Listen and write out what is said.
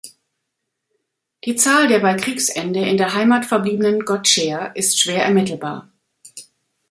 Die Zahl der bei Kriegsende in der Heimat verbliebenen Gottscheer ist schwer ermittelbar.